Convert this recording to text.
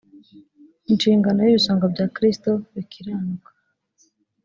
inshingano y ibisonga bya kristo bikiranuka